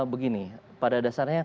begini pada dasarnya